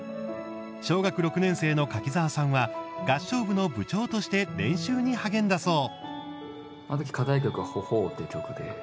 小学６年生の柿澤さんは合唱部の部長として練習に励んだそう。